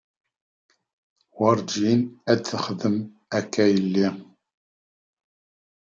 Werǧin ad texdem akka yell-i.